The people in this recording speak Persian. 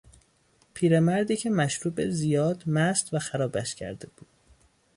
پیرمردی که مشروب زیاد مست و خرابش کرده بود